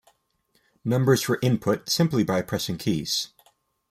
Numbers were input simply by pressing keys.